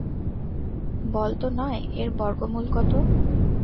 বল তো নয়-এর বর্গমূল কত?